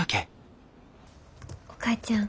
お母ちゃん。